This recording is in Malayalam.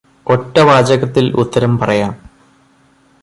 ഒറ്റ വാചകത്തിൽ ഉത്തരം പറയാം.